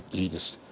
いいです。